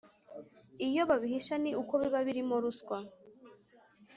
Iyo babihisha, ni uko biba birimo ruswa,